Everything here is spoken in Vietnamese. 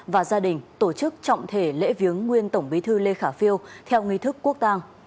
và gia đình tổ chức trọng thể lễ viếng nguyên tổng bí thư lê khả phiêu theo nghi thức quốc tàng